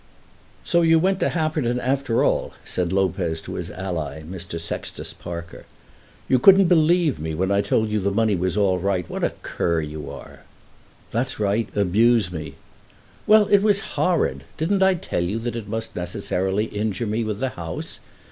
"So you went to Happerton after all," said Lopez to his ally, Mr. Sextus Parker. "You couldn't believe me when I told you the money was all right! What a cur you are!" "That's right; abuse me." "Well, it was horrid. Didn't I tell you that it must necessarily injure me with the house?